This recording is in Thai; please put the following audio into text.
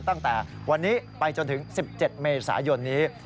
ตั้งแต่วันนี้ไปจนถึง๑๗เมษายนนี้